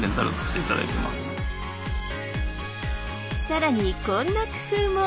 更にこんな工夫も！